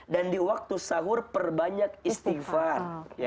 dan di waktu sahur perbanyak istighfar